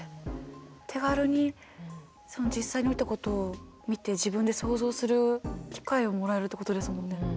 手軽に実際に起きたことを見て自分で想像する機会をもらえるってことですもんね。